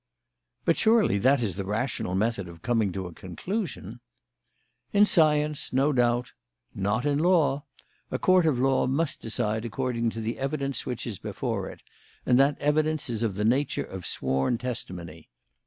"But surely that is the rational method of coming to a conclusion?" "In science, no doubt. Not in law. A court of law must decide according to the evidence which is before it; and that evidence is of the nature of sworn testimony.